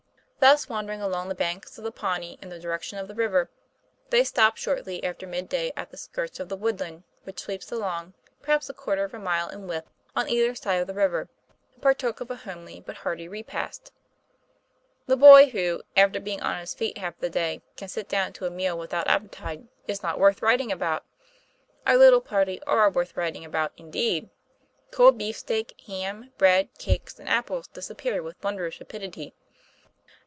15 226 TOM PLAY FAIR. Thus wandering along the banks of the Pawnee in the direction of the river, they stopped shortly after midday at the skirts of the woodland which sweeps along, perhaps a quarter of a mile in width, on either side of the river, and partook of a homely but hearty repast. The boy who, after being on his feet half the day, can sit down to a meal without appetite is not worth writing about. Our little party are worth writing about, indeed! Cold beefsteak, ham, bread, cakes, and apples disappeared with wondrous rapidity.